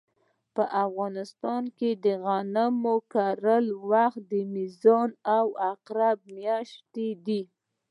په افغانستان کې د غنمو کرلو وخت د میزان او عقرب مياشتې دي